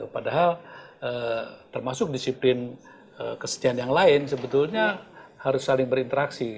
padahal termasuk disiplin kesetiaan yang lain sebetulnya harus saling berinteraksi